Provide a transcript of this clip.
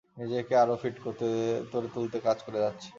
নিজেকে আরও ফিট করে তুলতে কাজ করে যাচ্ছি।